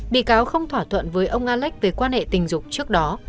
bị cáo không thỏa thuận với ông alex về quan hệ tình dục trước đó